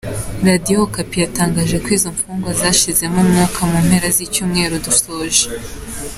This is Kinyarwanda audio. Radiyo Okapi yatangaje ko izo mfungwa zashizemo umwuka mu mpera z’icyumweru dusoje.